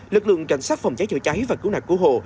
lực lượng cảnh sát phòng cháy chở cháy và cứu nạc của hộ